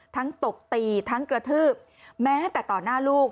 ตบตีทั้งกระทืบแม้แต่ต่อหน้าลูก